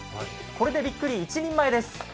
これでびっくり一人前です。